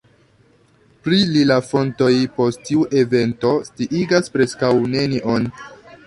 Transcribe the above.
Pri li la fontoj, post tiu evento, sciigas preskaŭ nenion.